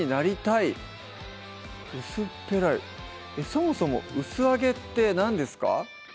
そもそも薄揚げって何ですか？